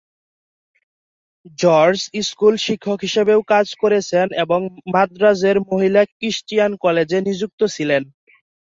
George school শিক্ষক হিসেবেও কাজ করেছেন এবং মাদ্রাজের মহিলা ক্রিশ্চিয়ান কলেজে নিযুক্ত ছিলেন।